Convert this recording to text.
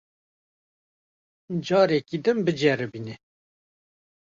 Careke din biceribîne.